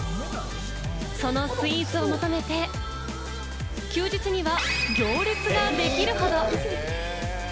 そのスイーツを求めて、休日には行列ができるほど。